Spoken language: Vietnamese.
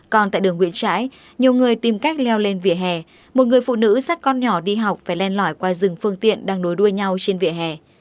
còn tại đường nguyễn trãi nhiều người tìm cách leo lên vỉa hè một người phụ nữ sát con nhỏ đi học phải len lỏi qua dừng phương tiện đang nối đuôi nhau trên vỉa hè